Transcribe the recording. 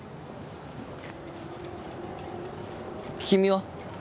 君は？